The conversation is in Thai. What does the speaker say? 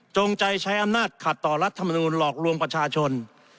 ใจใช้อำนาจขัดต่อรัฐมนูลหลอกลวงประชาชน